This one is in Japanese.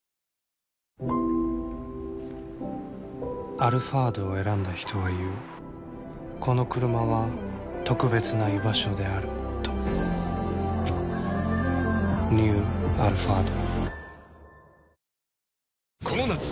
「アルファード」を選んだ人は言うこのクルマは特別な居場所であるとニュー「アルファード」